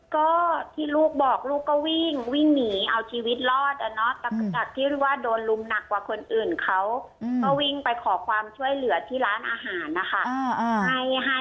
ก็ที่ลูกบอกลูกก็วิ่งวิ่งหนีเอาชีวิตรอดจากที่ว่าโดนลุมหนักกว่าคนอื่นเขาก็วิ่งไปขอความช่วยเหลือที่ร้านอาหารนะคะ